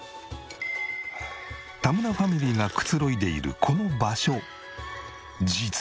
田村ファミリーがくつろいでいるこの場所実は。